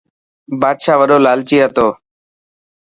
بادشاهه وڏو لالچي هتو.